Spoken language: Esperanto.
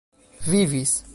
vivis